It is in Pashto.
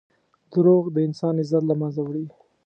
دروغ د انسان عزت له منځه وړي.